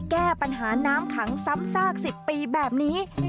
แก้ปัญหาน้ำขังซ้ำซาก๑๐ปีแบบนี้